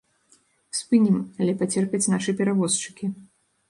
Спынім, але пацерпяць нашы перавозчыкі.